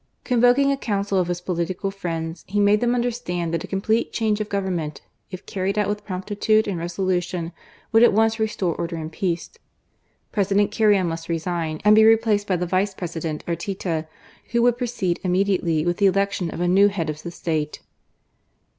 Convoking a council of his political friends, he made them understand that a complete change of Government, if carried out with promptitude and resolution, would at once restore order and peace. President Carrion must resign and be replaced by the Vice President, Arteta, who would proceed immediately with the election of a new head of the State.